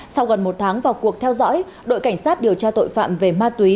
sau gần một tháng vào cuộc theo dõi đội cảnh sát điều tra tội phạm về ma túy